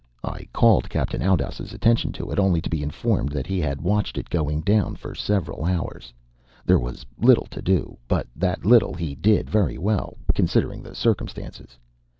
I called Captain Oudouse's attention to it, only to be informed that he had watched it going down for several hours. There was little to do, but that little he did very well, considering the circumstances.